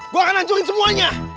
gua akan hancurin semuanya